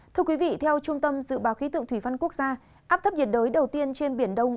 thưa quý vị theo trung tâm dự báo khí tượng thủy văn quốc gia áp thấp nhiệt đới đầu tiên trên biển đông